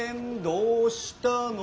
「どうしたの？」